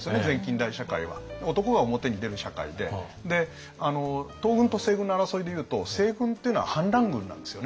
男が表に出る社会で東軍と西軍の争いでいうと西軍っていうのは反乱軍なんですよね。